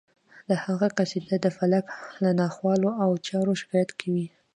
د هغه قصیده د فلک له ناخوالو او چارو شکایت کوي